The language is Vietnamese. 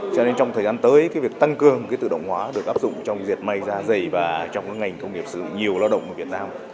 cho nên trong thời gian tới việc tăng cường tự động hóa được áp dụng trong diệt me ra giày và trong ngành công nghiệp sử dụng nhiều lao động của việt nam